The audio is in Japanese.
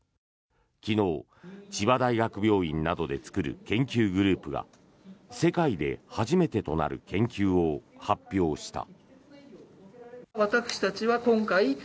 昨日、千葉大学病院などで作る研究グループが世界で初めてとなる研究を発表した。